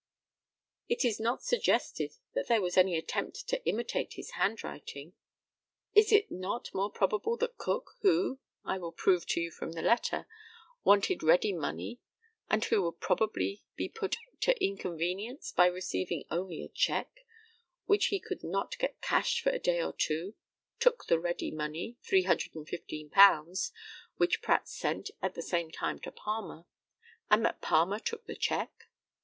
It is not suggested that there was any attempt to imitate his handwriting. Is it not more probable that Cook, who, I will prove to you from the letter, wanted ready money, and who would probably be put to inconvenience by receiving only a cheque, which he would not get cashed for a day or two, took the ready money £315, which Pratt sent at the same time to Palmer and that Palmer took the cheque?